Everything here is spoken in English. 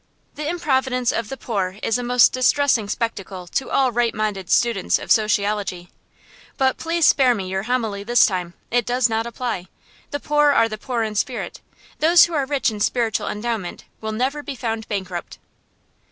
The improvidence of the poor is a most distressing spectacle to all right minded students of sociology. But please spare me your homily this time. It does not apply. The poor are the poor in spirit. Those who are rich in spiritual endowment will never be found bankrupt.